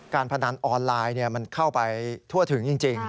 พนันออนไลน์มันเข้าไปทั่วถึงจริง